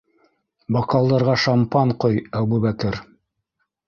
Бокалдарға шампан ҡой, Әбүбәкер!